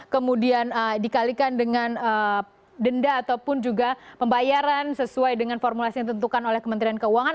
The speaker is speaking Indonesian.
kemudian dikalikan dengan denda ataupun juga pembayaran sesuai dengan formulasi yang ditentukan oleh kementerian keuangan